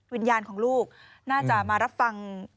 วิญญาณของลูกน่าจะมารับฟัง